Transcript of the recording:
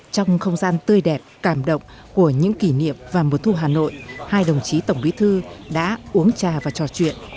trong không gian tươi đẹp cảm động của những kỷ niệm và mùa thu hà nội hai đồng chí tổng bí thư đã uống trà và trò chuyện